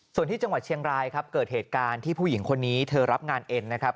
ส่วนที่จังหวัดเชียงรายครับเกิดเหตุการณ์ที่ผู้หญิงคนนี้เธอรับงานเอ็นนะครับ